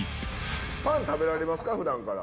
パン食べられますか、ふだんから。